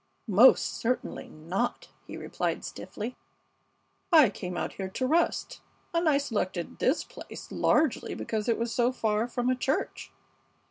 "Most certainly not," he replied, stiffly. "I came out here to rest, and I selected this place largely because it was so far from a church.